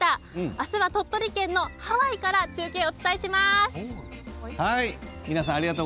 明日は鳥取県のハワイからお伝えします。